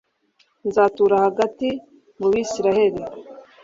nzatura hagati mu bisirayeli